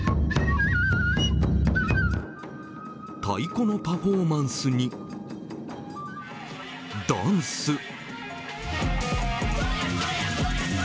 太鼓のパフォーマンスにダンス。